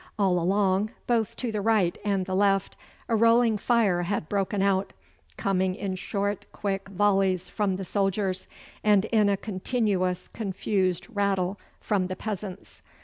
All along, both to the right and the left, a rolling fire had broken out, coming in short, quick volleys from the soldiers, and in a continuous confused rattle from the peasants.